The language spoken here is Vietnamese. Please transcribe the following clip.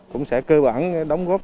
cũng sẽ cơ bản đóng góp